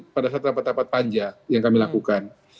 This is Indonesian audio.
pada saat dapat dapat panja yang kami lakukan